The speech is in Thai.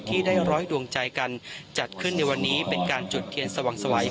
ที่ได้ร้อยดวงใจกันจัดขึ้นในวันนี้เป็นการจุดเทียนสวังสวัย